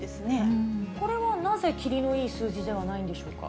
これはなぜ、切りのいい数字ではないんでしょうか。